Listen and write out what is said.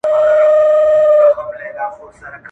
رويبار زموږ د منځ ټولو کيسو باندي خبر دی~